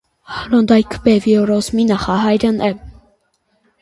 Ռորնդայքը բիհևիորիզմի նախահայրն է։